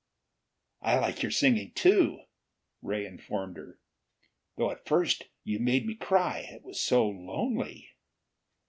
"I like your singing, too," Ray informed her. "Though at first you made me cry. It was so lonely."